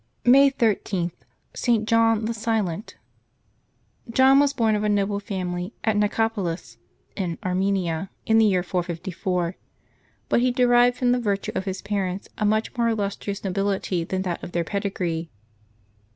May 13.— ST. JOHN THE SILENT. ^"YoHX was born of a noble family at Nicopolis, in Ar V A" menia, in the year 454 ; but he derived from the Tirtue of his parents a much more illustrious nobility than that of their pedigree.